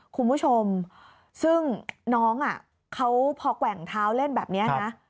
คุณผู้ชมซึ่งน้องเขาพอแกว่งเท้าเล่นแบบนี้นะ